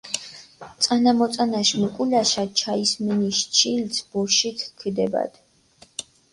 წანამოწანაშ მუკულაშა ჩაისმენიში ჩილცჷ ბოშიქ ქჷდებადჷ.